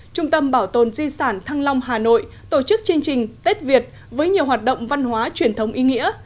trung tâm bảo tồn di sản thăng long hà nội tổ chức chương trình tết việt với nhiều hoạt động văn hóa truyền thống ý nghĩa